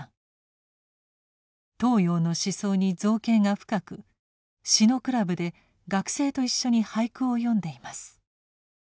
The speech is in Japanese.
東洋の思想に造詣が深く詩のクラブで学生と一緒に俳句を詠んでいます。